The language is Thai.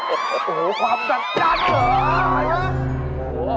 โอ้โฮความดันปากจัด